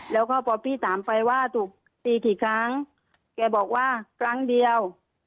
แล้วก็พอพี่ถามไปว่าถูกตีกี่ครั้งแกบอกว่าครั้งเดียว